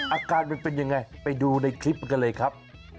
อาการมันเป็นยังไงไปดูในคลิปกันเลยครับ